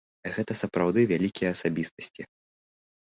Гэта сапраўды вялікія асабістасці.